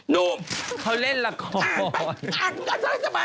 นูมเขาเล่นลักษณ์